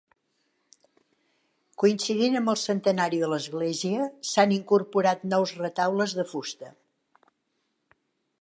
Coincidint amb el centenari de l'Església s'han incorporat nous retaules de fusta.